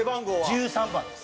１３番です。